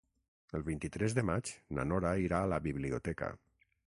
El vint-i-tres de maig na Nora irà a la biblioteca.